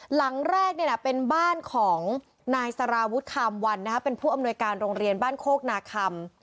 หลังแรกนี่แหละเป็นบ้านของนายสารวุฒิคามวันเป็นผู้อำนวยการโรงเรียนบ้านโคกนาคำ